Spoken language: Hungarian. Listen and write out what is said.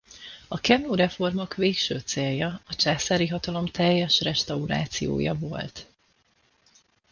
A Kenmu-reformok végső célja a császári hatalom teljes restaurációja volt.